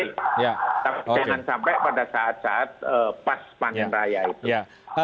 tapi jangan sampai pada saat saat pas panen raya itu